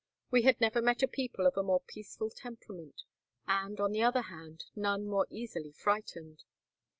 We had never met a people of a more peaceful temperament, and, on the other hand, none more easily frightened.